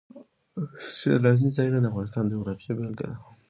سیلانی ځایونه د افغانستان د جغرافیې بېلګه ده.